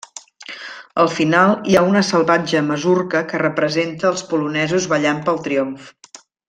Al final hi ha una salvatge masurca que representa als polonesos ballant pel triomf.